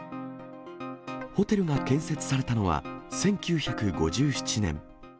ホテルが建設されたのは１９５７年。